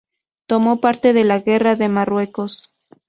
Tomó parte en la Guerra de Marruecos.